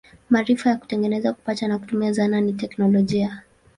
Maarifa ya kutengeneza, kupata na kutumia zana ni teknolojia.